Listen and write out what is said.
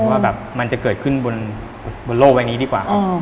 ว่าแบบมันจะเกิดขึ้นบนโลกใบนี้ดีกว่า